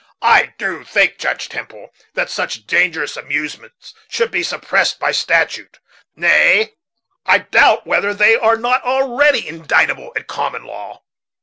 I do think, Judge Temple, that such dangerous amusements should be suppressed, by statute; nay, I doubt whether they are not already indictable at common law."